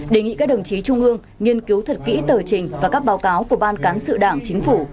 đề nghị các đồng chí trung ương nghiên cứu thật kỹ tờ trình và các báo cáo của ban cán sự đảng chính phủ